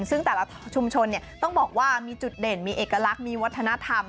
ซึ่งแต่ละชุมชนต้องบอกว่ามีจุดเด่นมีเอกลักษณ์มีวัฒนธรรม